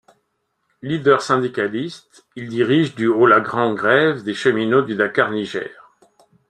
Leader syndicaliste, il dirige du au la grande grève des cheminots du Dakar-Niger.